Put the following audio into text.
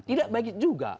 tidak begitu juga